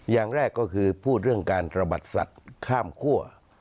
อย่างแรกก็คือพูดเรื่องการตระบัดสัตว์ข้ามคั่ว